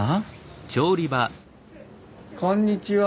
こんにちは。